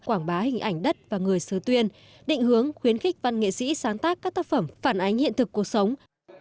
quảng bá hình ảnh đất và người sứ tuyên định hướng khuyến khích văn nghệ sĩ sáng tác các tác phẩm phản ánh hiện thực cuộc sống